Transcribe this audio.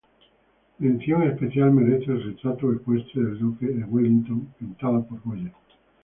Mención especial merece el "Retrato ecuestre del duque de Wellington", pintado por Goya.